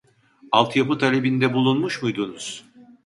Alt yapı talebinde bulunmuş muydunuz ?